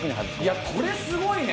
いやこれすごいね！